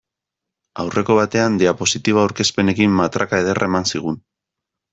Aurreko batean diapositiba aurkezpenekin matraka ederra eman zigun.